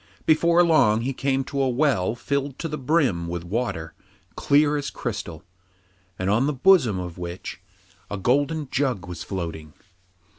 Before long he came to a well filled to the brim with water clear as crystal, and on the bosom of which a golden jug was floating.